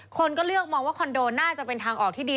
คนก็เลือกมองว่าคอนโดน่าจะเป็นทางออกที่ดี